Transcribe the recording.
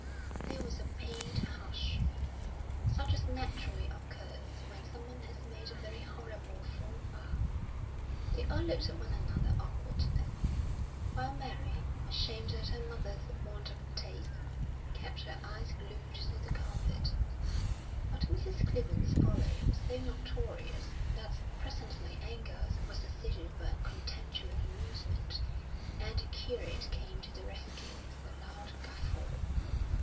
There was a pained hush, such as naturally occurs when someone has made a very horrible faux pas. They all looked at one another awkwardly; while Mary, ashamed at her mother's want of taste, kept her eyes glued to the carpet But Mrs. Clibborn's folly was so notorious that presently anger was succeeded by contemptuous amusement, and the curate came to the rescue with a loud guffaw.